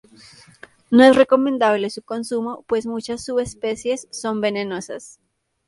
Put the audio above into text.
No es recomendable su consumo pues muchas subespecies son venenosas.